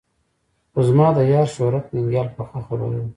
خو زما د یار شهرت ننګیال پخه خبره ده.